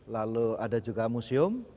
lalu ada juga museum